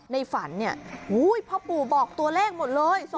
ในฝันเนี่ยพ่อปู่บอกตัวเลขหมดเลย